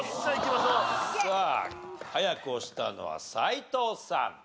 さあ早く押したのは斎藤さん。